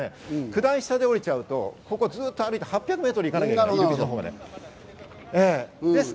九段下で降りちゃうと、ずっと歩いて８００メートル行かなきゃいけないんです。